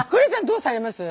どうされます？